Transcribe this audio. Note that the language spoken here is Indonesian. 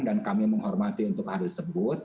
dan kami menghormati untuk hari tersebut